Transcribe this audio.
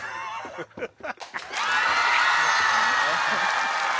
ハハハハ！